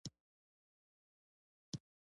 شاعرانو هم ترې یادونه کړې ده. فرخي وایي: